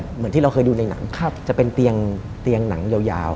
เหมือนที่เราเคยดูในหนังจะเป็นเตียงหนังยาว